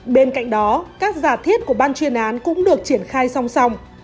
bên cạnh đó các giả thiết của ban chuyên án cũng được triển khai song song